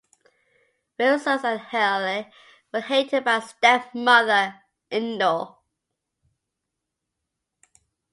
Phrixus and Helle were hated by their stepmother, Ino.